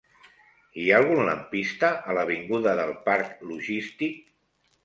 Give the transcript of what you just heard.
Hi ha algun lampista a l'avinguda del Parc Logístic?